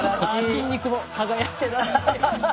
筋肉も輝いてらっしゃいます。